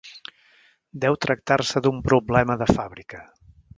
Deu tractar-se d'un problema de fàbrica.